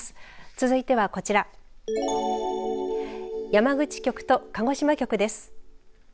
続いてはこちら山口局と鹿児島局です。